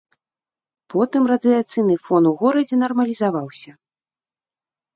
Потым радыяцыйны фон у горадзе нармалізаваўся.